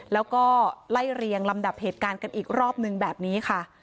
แล้วก็ไล่เรียงลำดับเหตุการณ์กันอีกรอบนึงแบบนี้ค่ะ